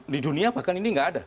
di dunia bahkan ini nggak ada